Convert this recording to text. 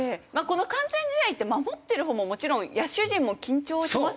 この完全試合って守ってるほうももちろん野手陣も緊張しますよね。